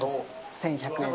１１００円で。